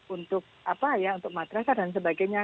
untuk apa ya untuk madrasah dan sebagainya